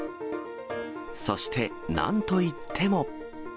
そしてなんといっても。